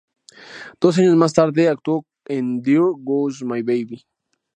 Dos años más tarde, actuó en "There Goes My Baby".